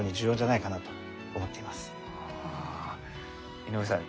井上さん